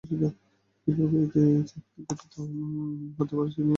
কিভাবে এই চাকতি গঠিত হতে পারে সে নিয়ে বিজ্ঞানীরা তিনটি অনুকল্প প্রস্তাব করছিলেন।